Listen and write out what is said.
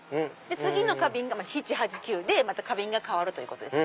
次の花瓶が７８９で花瓶が替わるということです。